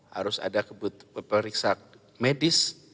harus ada periksa medis